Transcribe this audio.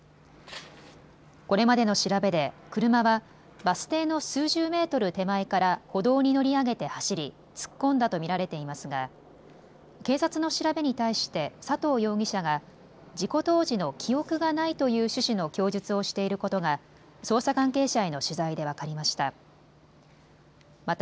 これまでの調べで車はバス停の数十メートル手前から歩道に乗り上げて走り突っ込んだと見られていますが警察の調べに対して佐藤容疑者が事故当時の記憶がないという趣旨の供述をしていることが捜査関係者への取材で分かりました。